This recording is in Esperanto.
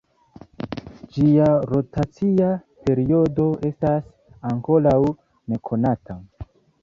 Ĝia rotacia periodo estas ankoraŭ nekonata.